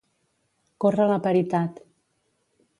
Córrer la paritat.